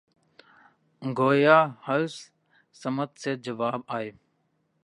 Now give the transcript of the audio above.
گویا ہر سمت سے جواب آئے